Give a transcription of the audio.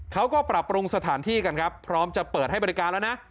เขาก็ปรับปรุงสถานที่กันครับพร้อมจะเปิดให้บริการแล้วนะ